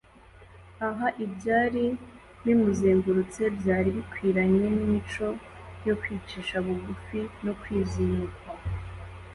Aha ibyari bimuzengurutse byari bikwiranye n'imico yo kwicisha bugufi no kwizinukwa.